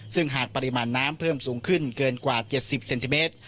ซึ่งหากปริมาณน้ำเพิ่มสูงขึ้นเกินกว่า๗๐เซนติเมตร